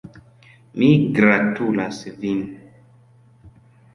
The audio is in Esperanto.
Mi gratulas vin!